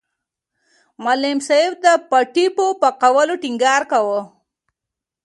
معلم صاحب د پټي په پاکوالي ټینګار کاوه.